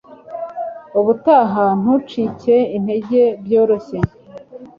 Ubutaha ntucike intege byoroshye